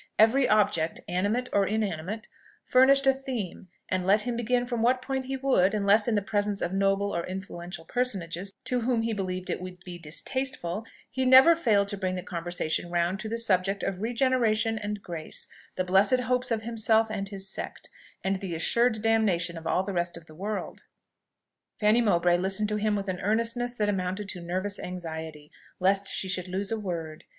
Every object, animate or inanimate, furnished him a theme; and let him begin from what point he would, (unless in the presence of noble or influential personages to whom he believed it would be distasteful,) he never failed to bring the conversation round to the subject of regeneration and grace, the blessed hopes of himself and his sect, and the assured damnation of all the rest of the world. Fanny Mowbray listened to him with an earnestness that amounted to nervous anxiety, lest she should lose a word.